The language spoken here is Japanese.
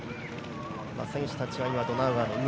選手たちはドナウ川の上。